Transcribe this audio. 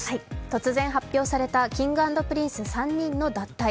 突然発表されたＫｉｎｇ＆Ｐｒｉｎｃｅ３人の脱退。